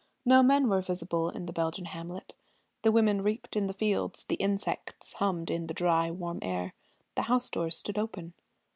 No men were visible in the Belgian hamlet. The women reaped in the fields; the insects hummed in the dry warm air; the house doors stood open.